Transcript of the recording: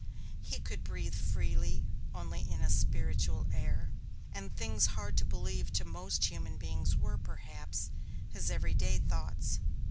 He could breathe freely only in a spiritual air, and things hard to believe to most human beings were, perhaps, his every day thoughts.